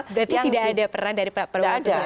berarti tidak ada peran dari para pedagang di pasar